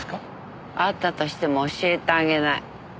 あったとしても教えてあげない。